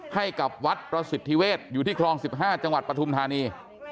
ให้กับวัดประสิทธิเวศอยู่ที่คลอง๑๕จังหวัดปฐุมธานี